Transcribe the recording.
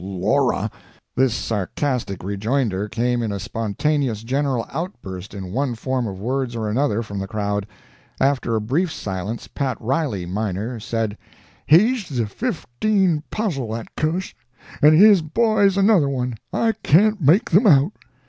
Oh, Laura!" This sarcastic rejoinder came in a spontaneous general outburst in one form of words or another from the crowd. After a brief silence, Pat Riley, miner, said, "He's the 15 puzzle, that cuss. And his boy's another one. I can't make them out."